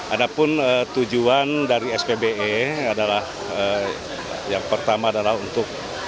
ada pun tujuan dari spbe adalah yang pertama adalah untuk